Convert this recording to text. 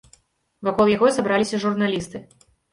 Вакол яго сабраліся журналісты.